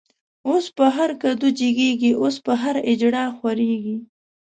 اوس په هر کدو جګيږی، اوس په هر” اجړا” خوريږی